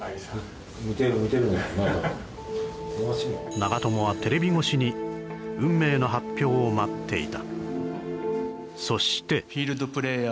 長友はテレビ越しに運命の発表を待っていた。